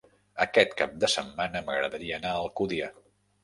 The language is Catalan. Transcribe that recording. Aquest cap de setmana m'agradaria anar a Alcúdia.